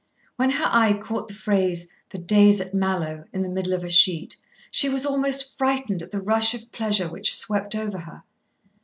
When her eye caught the phrase "the days at Mallowe" in the middle of a sheet, she was almost frightened at the rush of pleasure which swept over her.